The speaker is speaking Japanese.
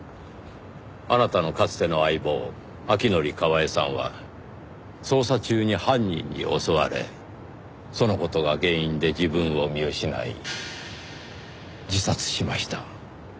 あなたのかつての相棒アキノリ・カワエさんは捜査中に犯人に襲われその事が原因で自分を見失い自殺しました。